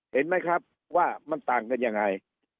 เห็นไหมครับว่ามันต่างกันยังไง